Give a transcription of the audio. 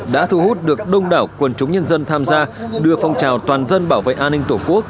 đã thu hút được đông đảo quần chúng nhân dân tham gia đưa phong trào toàn dân bảo vệ an ninh tổ quốc